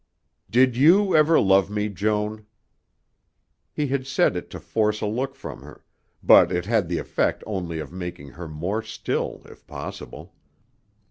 "Did you ever love me, Joan?" He had said it to force a look from her, but it had the effect only of making her more still, if possible.